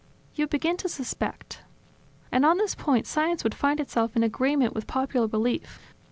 . You begin to suspect ... And on this point science would find itself in agreement with popular belief